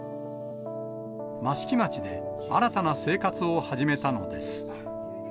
益城町で新たな生活を始めたのです。